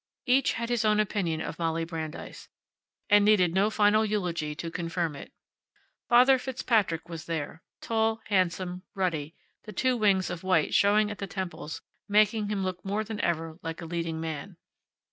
Each had his own opinion of Molly Brandeis, and needed no final eulogy to confirm it. Father Fitzpatrick was there, tall, handsome, ruddy, the two wings of white showing at the temples making him look more than ever like a leading man.